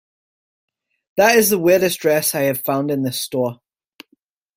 That is the weirdest dress I have found in this store.